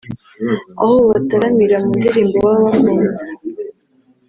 aho babataramira mu ndirimbo baba bakunze